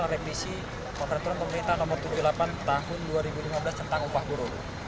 dan reprisi konfetur pemerintah nomor tujuh puluh delapan tahun dua ribu lima belas tentang upah buruh